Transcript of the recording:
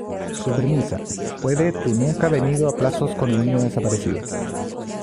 Su premisa: Puede tú nunca venido a plazos con un niño desaparecido?